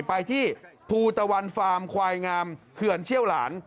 ไปที่ภูตะวันฟาร์มควายงามเขื่อนเชี่ยวหลาน